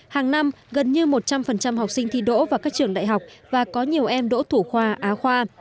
hàng năm gần như một trăm linh học sinh thi đỗ vào các trường đại học và có nhiều em đỗ thủ khoa á khoa